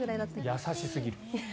優しすぎる。